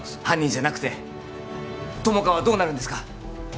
犯人じゃなくて友果はどうなるんですか？